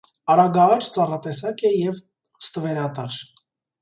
Արագաաճ ծառատեսակ է և տվերատար։